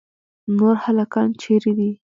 نور هلکان چیرې دي.